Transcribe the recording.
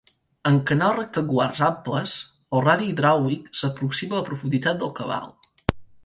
En canals rectangulars amples, el radi hidràulic s'aproxima a la profunditat del cabal.